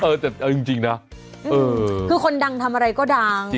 เออแต่เอาจริงนะคือคนดังทำอะไรก็ดัง